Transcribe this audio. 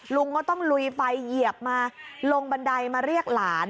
ลุงก็ต้องลุยไปเหยียบมาลงบันไดมาเรียกหลาน